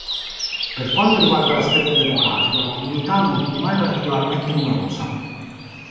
Per quanto riguarda l'aspetto demografico, la comunità non fu mai particolarmente numerosa.